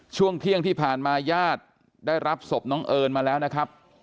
ช่วงเที่ยงที่ผ่านมาญาติได้รับศพน้องเอิญมาแล้วนะครับ